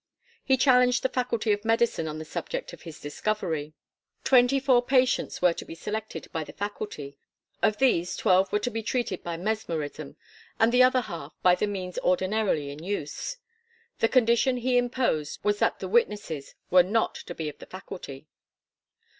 He challenged the Faculty of Medicine on the subject of his discovery. Twenty four patients were to be selected by the Faculty; of these twelve were to be treated by Mesmerism and the other half by the means ordinarily in use. The condition he imposed was that the witnesses were not to be of the Faculty.